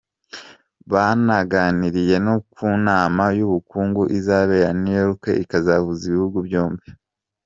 Banaganiriye no ku nama y’ubukungu izabera New York ikazahuza ibihugu byombi.